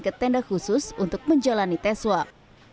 ketenda khusus untuk menjalani tes swab